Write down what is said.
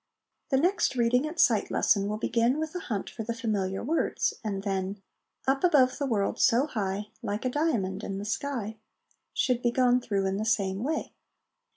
The next ' reading at sight ' lesson will begin with a hunt for the familiar words, and then " Up above the world so high, Like a diamond in the sky," should be gone through in the same way.